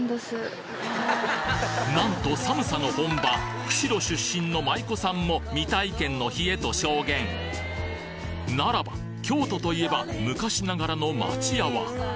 なんと寒さの本場釧路出身の舞妓さんも未体験の冷えと証言ならば京都と言えば昔ながらの町家は？